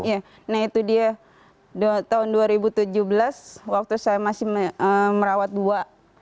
iya nah itu dia tahun dua ribu tujuh belas waktu saya masih merawat dua